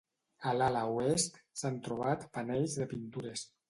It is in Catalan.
A l'ala oest, s'han trobat panells de pintures.